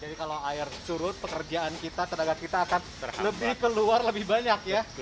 jadi kalau air surut pekerjaan kita tenaga kita akan lebih keluar lebih banyak ya